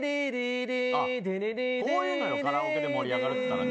こういうのよ、カラオケで盛り上がるっていったらね。